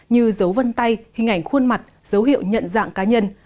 như dấu vân tay hình ảnh khuôn mặt dấu hiệu nhận dạng cá nhân